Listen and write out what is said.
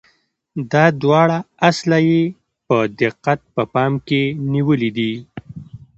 دا دواړه اصله یې په دقت په پام کې نیولي دي.